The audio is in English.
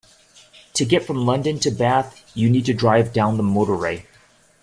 To get from London to Bath you need to drive down the motorway